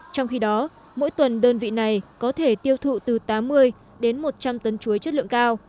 trong khi đó mỗi tuần đơn vị này có thể tiêu thụ từ tám mươi đến một trăm linh tấn chuối chất lượng cao